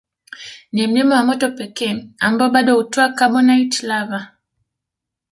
Ni mlima wa moto pekee ambao bado hutoa carbonatite lava